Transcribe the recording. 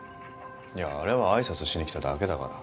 いやあれは挨拶しにきただけだから。